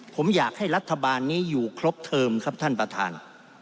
ผมอยากให้รัฐบาลนี้อยู่ครบเทิมครับท่านประธาน